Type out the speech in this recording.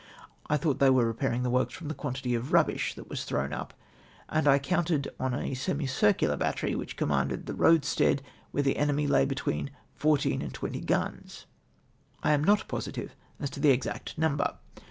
I thought they were repair ■ ing the works from the quantity of ruhhish that was thivivn up; and I counted on a semicircular battery which com manded the roadstead where the enemy lay between fourteen and twenty guns, I am not positive as to the exact number.